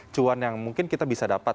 cuan yang mungkin kita bisa dapat